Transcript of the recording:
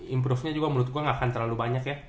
improve nya juga menurut gue gak akan terlalu banyak ya